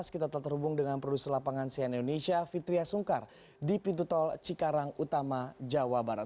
kita telah terhubung dengan produser lapangan sian indonesia fitriah sungkar di pintu tol cikarang utama jawa barat